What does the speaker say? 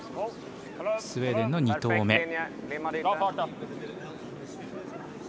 スウェーデンの２投目。